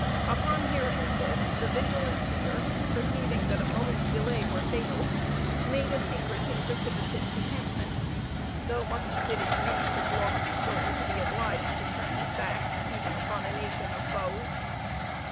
Upon hearing of this, the vigilant Peter, perceiving that a moment's delay were fatal, made a secret and precipitate decampment, though much did it grieve his lofty soul to be obliged to turn his back even upon a nation of foes.